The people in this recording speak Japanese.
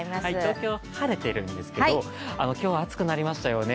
東京、晴れているんですけど今日は暑くなりましたよね。